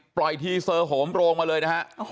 ปล่อยทีเซอร์โหงโปร่งมาเลยนะ